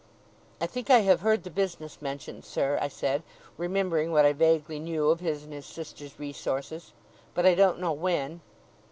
'I think I have heard the business mentioned, sir,' I said, remembering what I vaguely knew of his and his sister's resources. 'But I don't know when.